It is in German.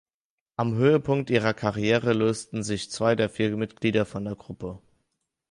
Am Höhepunkt ihrer Karriere lösten sich zwei der vier Mitglieder von der Gruppe.